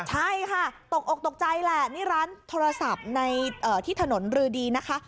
ใช่ค่ะตกอกตกใจแหละนี่ร้านโทรศัพท์ที่ถนนรือดีนะคะ